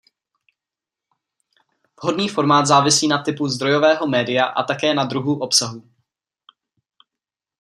Vhodný formát závisí na typu zdrojového média a také na druhu obsahu.